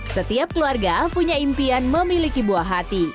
setiap keluarga punya impian memiliki buah hati